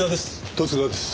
十津川です。